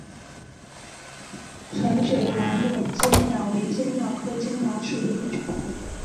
橙嘴蓝脸鲣鸟为鲣鸟科鲣鸟属的一种。